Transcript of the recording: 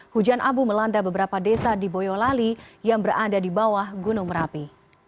hujan abu melanda beberapa desa di boyolali yang berada di bawah gunung merapi